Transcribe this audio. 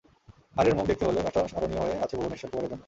হারের মুখ দেখতে হলেও ম্যাচটা স্মরণীয় হয়ে আছে ভুবনেশ্বর কুমারের জন্য।